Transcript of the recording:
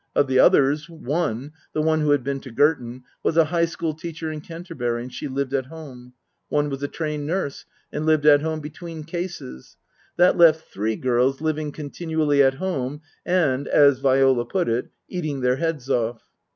Of the others, one (the one who had been to Girton) was a High School teacher in Canterbury and she lived at home ; one was a trained nurse and lived at home between cases ; that left three girls living continually at home and, as Viola put it, eating their heads off.